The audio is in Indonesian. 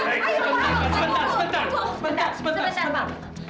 tunggu tunggu sebentar pak